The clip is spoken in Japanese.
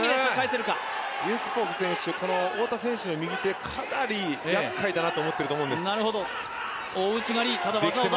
ユスポフ選手太田選手の右手かなりやっかいだと思っていると思います。